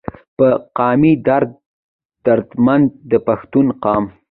پۀ قامي درد دردمند د پښتون قام